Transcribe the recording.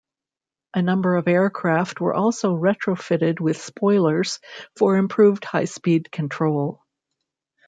A number of aircraft were also retrofitted with spoilers for improved high-speed control.